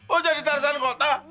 mau jadi tarzan kota